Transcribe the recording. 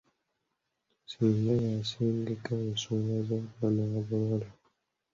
Ssenga y’asengeka ensonga z’abaana abawala.